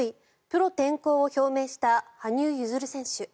プロ転向を表明した羽生結弦選手。